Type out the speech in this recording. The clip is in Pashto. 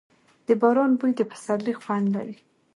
د باران بوی د پسرلي خوند لري.